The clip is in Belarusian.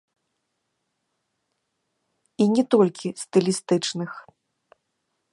І не толькі стылістычных.